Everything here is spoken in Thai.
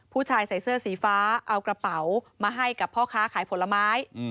ผู้ชายใส่เสื้อสีฟ้าเอากระเป๋ามาให้กับพ่อค้าขายผลไม้